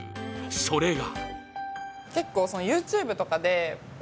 それが。